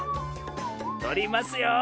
とりますよ。